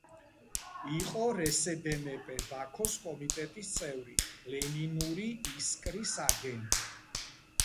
იყო რსდმპ ბაქოს კომიტეტის წევრი, ლენინური „ისკრის“ აგენტი.